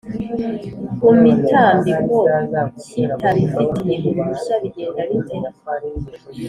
kumitambiko kitabifitiye Uruhushya bigenda bite